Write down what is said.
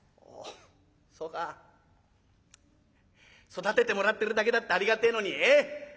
育ててもらってるだけだってありがてえのにええ？